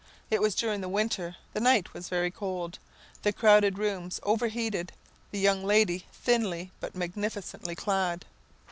It was during the winter; the night was very cold, the crowded rooms overheated, the young lady thinly but magnificently clad.